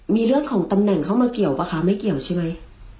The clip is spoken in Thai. มีเรื่องของตำแหน่งเข้ามาเกี่ยวป่ะคะไม่เกี่ยวใช่ไหม